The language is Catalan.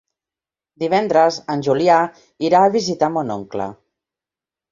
Divendres en Julià irà a visitar mon oncle.